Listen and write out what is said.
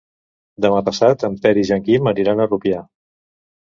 Demà passat en Peris i en Quim aniran a Rupià.